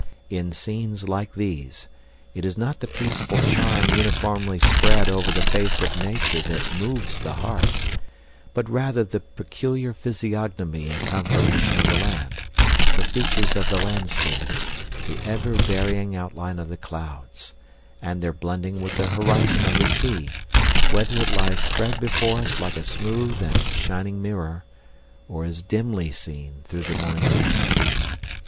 In scenes like these, it is not the peaceful charm uniformly spread over the face of nature that moves the heart, but rather the peculiar physiognomy and conformation of the land, the features of the landscape, the ever varying outline of the clouds, and their blending with the horizon of the sea, whether it lies spread before us like a smooth and shining mirror, or is dimly seen through the morning mist.